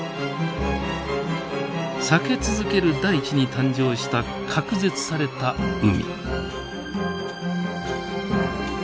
裂け続ける大地に誕生した隔絶された海。